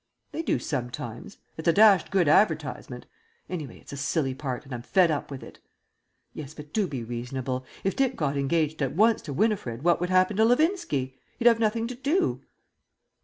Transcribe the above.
"They do sometimes; it's a dashed good advertisement. Anyway, it's a silly part, and I'm fed up with it." "Yes, but do be reasonable. If Dick got engaged at once to Winifred what would happen to Levinski? He'd have nothing to do."